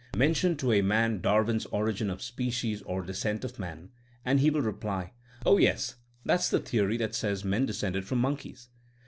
Mention to a man Dar win's Origin of Species or Descent of Man, and he will reply, Oh, yes, that's the theory that says men descended from monkeys.